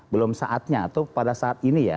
belum saatnya atau pada saat ini ya